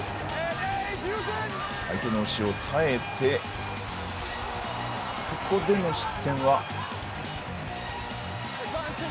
相手の押しを耐えてここでの失点は。